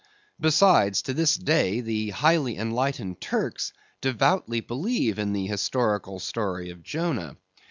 Besides, to this day, the highly enlightened Turks devoutly believe in the historical story of Jonah.